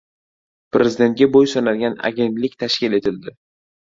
Prezidentga bo‘ysunadigan agentlik tashkil etildi